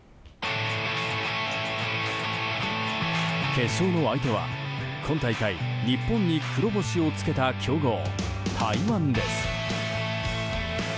決勝の相手は今大会日本に黒星をつけた強豪台湾です。